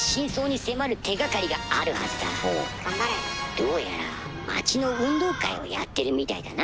どうやら町の運動会をやってるみたいだな。